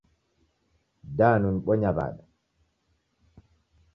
Danu nibonyagha wada?